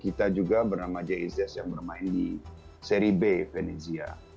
kita juga bernama j i zes yang bermain di seri b venezia